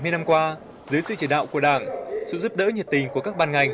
bảy mươi năm qua dưới sự chỉ đạo của đảng sự giúp đỡ nhiệt tình của các ban ngành